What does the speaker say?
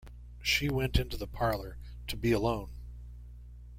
She went into the parlour to be alone.